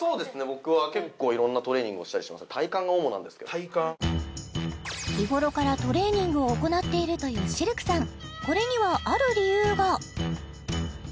僕は結構いろんなトレーニングをしたりします体幹が主なんですけど体幹日頃からトレーニングを行っているというシルクさん